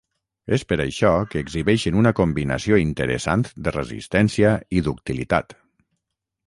És per això que exhibeixen una combinació interessant de resistència i ductilitat.